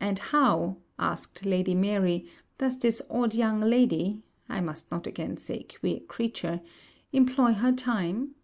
'And how,' asked Lady Mary, does this odd young lady (I must not again say queer creature) employ her time?'